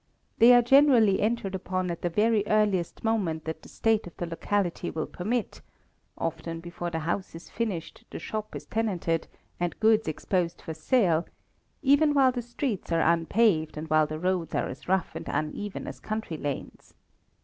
They are generally entered upon at the very earliest moment that the state of the locality will permit often before the house is finished the shop is tenanted, and goods exposed for sale even while the streets are unpaved, and while the roads are as rough and uneven as country lanes.